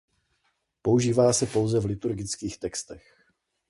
Používá se pouze v liturgických textech.